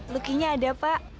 lukinya ada pak